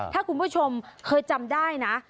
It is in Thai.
ถ้าคุณผู้ชมเคยจำได้นะ